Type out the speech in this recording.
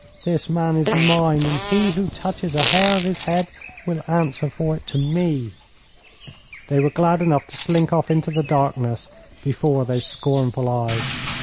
This man is mine, and he who touches a hair of his head will answer for it to me.' They were glad enough to slink off into the darkness before those scornful eyes.